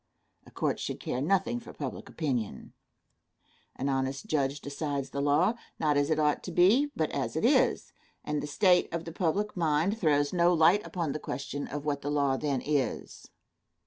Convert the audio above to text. A court should care nothing for public opinion. An honest judge decides the law, not as it ought to be, but as it is, and the state of the public mind throws no light upon the question of what the law then is.